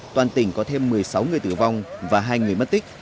toàn tỉnh có thêm một mươi sáu người tử vong và hai người mất tích